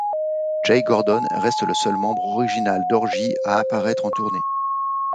Jay Gordon reste le seul membre original d'Orgy à apparaître en tournée.